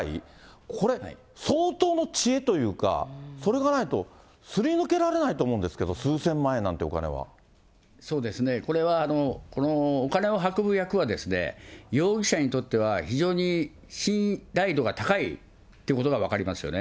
これ、相当の知恵というか、それがないと、すり抜けられないと思うんですけど、そうですね、これは、このお金を運ぶ役はですね、容疑者にとっては、非常に信頼度が高いということが分かりますよね。